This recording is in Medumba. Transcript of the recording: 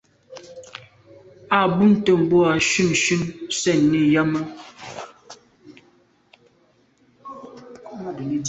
A bumte boa shunshun sènni yàme.